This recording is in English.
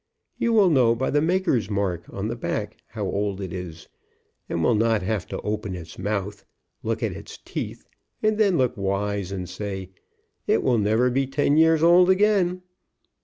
You will know by the maker's mark on the back how old it is, and will not have to open its mouth, look at its teeth, and tfien look wise, and say, "It will never be ten years old again."